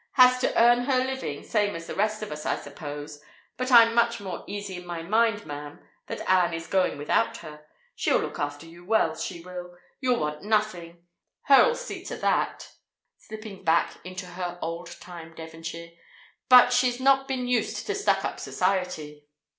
"Has to earn her living same as the rest of us, I suppose! But I'm much more easy in my mind, ma'am, that Ann is going without her. She'll look after you well, she will; you'll want nothing, her'll see to that" (slipping back into her old time Devonshire), "but she's not bin used to stuck up society."